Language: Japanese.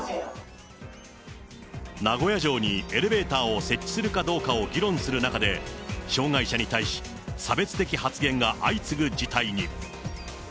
名古屋城にエレベーターを設置するかどうかを議論する中で、障がい者に対し、差別的発言が相次ぐ事態に。